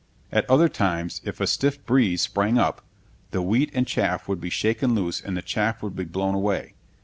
At other times, if a stiff breeze sprang up, the wheat and chaff would be shaken loose and the chaff would be blown away.